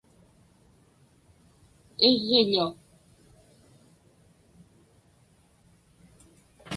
iġġiḷu